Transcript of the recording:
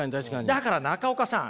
だから中岡さん